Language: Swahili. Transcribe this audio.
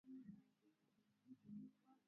Milima ya Uluguru iliyopo Kusini Mashariki